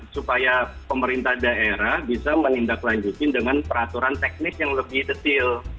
supaya pemerintah daerah bisa menindaklanjutin dengan peraturan teknis yang lebih detail